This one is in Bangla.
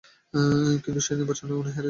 কিন্তু সেই নির্বাচনে উনি হেরে যান।